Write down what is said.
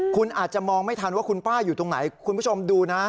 คุณอาจจะมองไม่ทันว่าคุณป้าอยู่ตรงไหนคุณผู้ชมดูนะ